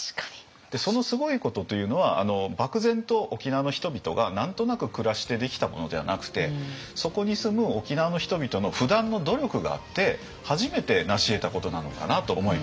そのすごいことというのは漠然と沖縄の人々が何となく暮らしてできたものでなくてそこに住む沖縄の人々の不断の努力があって初めてなしえたことなのかなと思いました。